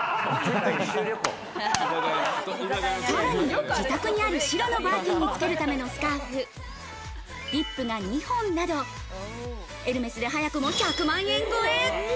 さらに自宅にある白のバーキンにつけるためのスカーフ、リップが２本など、エルメスで早くも１００万円超え。